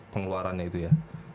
pengeluarannya itu ya